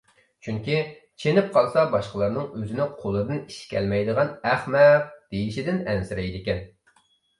چۈنكى، چېنىپ قالسا باشقىلارنىڭ ئۆزىنى قولىدىن ئىش كەلمەيدىغان ئەخمەق دېيىشىدىن ئەنسىرەيدىكەن.